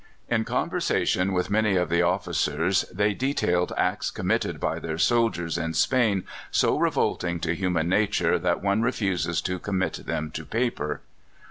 In conversations with many of the officers they detailed acts committed by their soldiers in Spain so revolting to human nature that one refuses to commit them to paper.